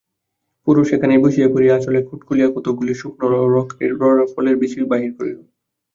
পরে সেখানেই বসিয়া পড়িয়া আঁচলের খুঁট খুলিয়া কতকগুলি শুকনো রড়া ফলের বীচি বাহির করিল।